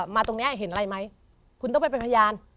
มาตรงนี้เห็นอะไรไหมคุณต้องไปเป็นพยาน